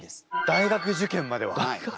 大学受験まで？